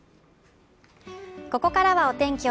ここからはお天気